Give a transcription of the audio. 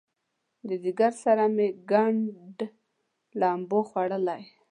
د ځیګر سره مې ګنډ لمبو خوړلی